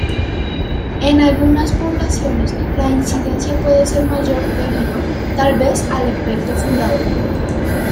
En algunas poblaciones la incidencia puede ser mayor debido tal vez al efecto fundador.